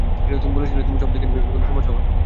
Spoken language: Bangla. তুমি বলেছিলে তুমি সব দেখে নেবে কোনো সমস্যা হবে না।